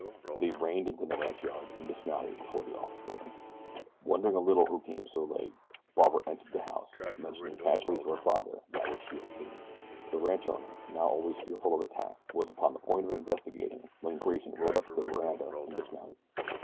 They reined into the ranchyard and dismounted before the office building. Wondering a little who came so late, Barbara entered the house, mentioning casually to her father that which she had just seen. The ranch owner, now always fearful of attack, was upon the point of investigating when Grayson rode up to the veranda and dismounted.